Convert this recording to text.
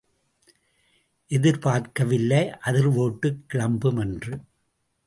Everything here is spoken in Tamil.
எதிர்பார்க்கவில்லை அதிர் வேட்டுக் கிளம்பும் என்று.